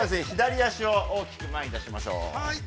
◆脚を大きく前に出しましょう。